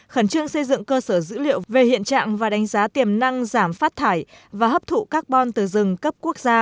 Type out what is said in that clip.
khẩn trương xây dựng cơ sở dữ liệu về hiện trạng và đánh giá tiềm năng giảm phát thải và hấp thụ carbon từ rừng cấp quốc gia